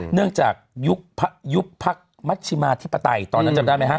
เนื่องจากยุบพักมัชชิมาธิปไตยตอนนั้นจำได้ไหมฮะ